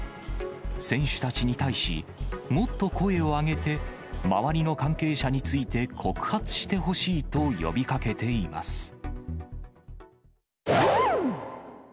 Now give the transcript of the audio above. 選手たちに対し、もっと声を上げて、周りの関係者について告発してほしいと呼びかけています。